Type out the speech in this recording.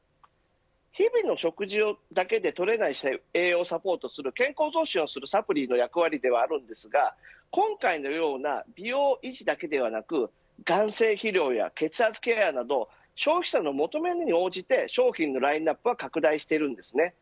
日々の食事だけで取れない栄養をサポートをしたり健康増進するサプリの役割ではありますが今回のような美容の維持だけではなく眼精疲労や血圧ケアなど消費者の求めに応じて商品のラインアップは拡大しているんです。